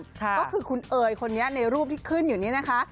ก็คือคุณเอ๋ยคนนี้ในรูปที่ขึ้นอยู่นี่นะคะ